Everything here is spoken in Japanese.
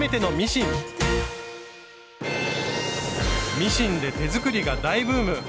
ミシンで手作りが大ブーム。